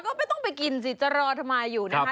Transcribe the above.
ก็ไม่ต้องไปกินสิจะรอทำไมอยู่นะคะ